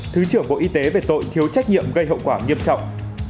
thứ trưởng bộ y tế về tội thiếu trách nhiệm gây hậu quả nghiêm trọng